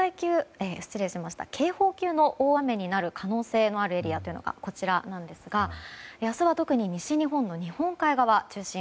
警報級の大雨になる可能性のあるエリアというのがこちらなんですが、明日は特に西日本の日本海側中心。